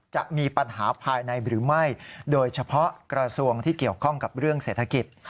จะมีปัญหาภายในหรือไม่โดยเฉพาะกระทรวงที่เกี่ยวข้องกับเรื่องเศรษฐกิจ